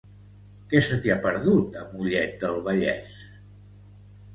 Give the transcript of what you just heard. Què se t'hi ha perdut, a Mollet del Vallès?